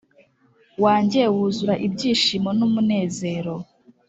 wanjye wuzura ibyishimo n’umunezero